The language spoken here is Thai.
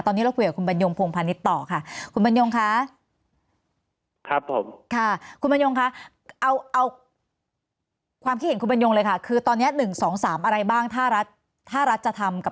ตอนนี้เราพูดกับคุณบรรยงภูมิพันธ์นิตต่อค่ะ